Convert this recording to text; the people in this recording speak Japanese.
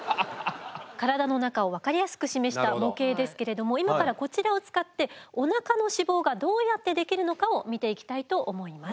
体の中を分かりやすく示した模型ですけれども今からこちらを使ってお腹の脂肪がどうやってできるのかを見ていきたいと思います。